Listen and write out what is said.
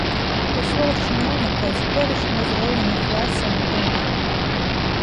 Па словах чыноўніка, цяперашні ўзровень інфляцыі непрымальны.